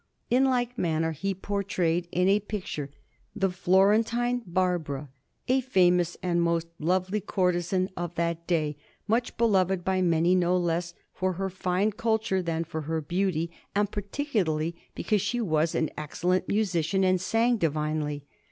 In like manner, he portrayed in a picture the Florentine Barbara, a famous and most lovely courtesan of that day, much beloved by many no less for her fine culture than for her beauty, and particularly because she was an excellent musician and sang divinely.